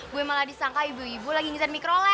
gue malah disangka ibu ibu lagi ngeliat mikroled